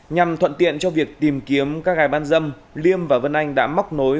nhằm thuận tiện cho việc tìm kiếm các gái bán dâm liêm và vân anh đã móc nối